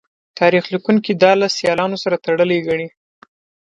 تاریخ لیکوونکي دا له سیالانو سره تړلې ګڼي